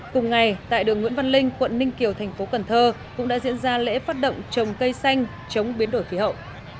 cùng ngày tại đường nguyễn văn linh quận ninh kiều thành phố cần thơ cũng đã diễn ra lễ phát động trồng cây xanh chống biến đổi khí hậu